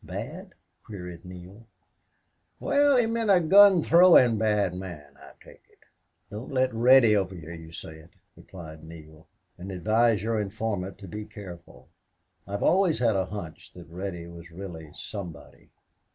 "Bad?" queried Neale. "Wal, he meant a gun throwin' bad man, I take it." "Don't let Reddy overhear you say it," replied Neale, "and advise your informant to be careful. I've always had a hunch that Reddy was really somebody."